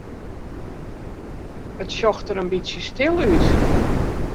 It sjocht der in bytsje stil út.